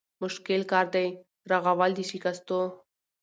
مشکل کار دی رغول د شکستو